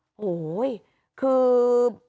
โอ้โหคือ